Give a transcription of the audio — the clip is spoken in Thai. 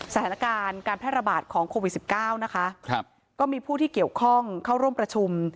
สถานการณ์การแพร่ระบาดของโควิด๑๙นะคะก็มีผู้ที่เกี่ยวข้องเข้าร่วมประชุม